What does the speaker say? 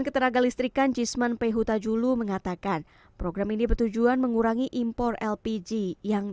ketenaga listrikan jisman phutajulu mengatakan program ini bertujuan mengurangi impor lpg yang